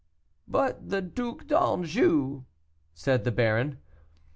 "But the Duc d'Anjou," said the baron.